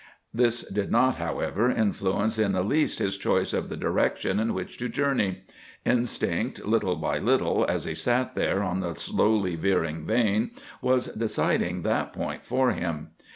This did not, however, influence in the least his choice of the direction in which to journey. Instinct, little by little, as he sat there on the slowly veering vane, was deciding that point for him.